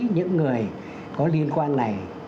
những người có liên quan này